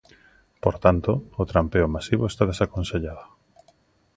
Por tanto, o trampeo masivo está desaconsellado.